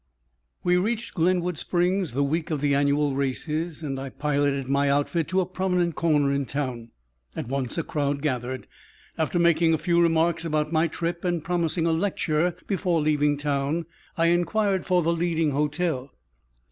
_ We reached Glenwood Springs the week of the annual races, and I piloted my outfit to a prominent corner in town. At once a crowd gathered. After making a few remarks about my trip and promising a lecture before leaving town, I inquired for the leading hotel.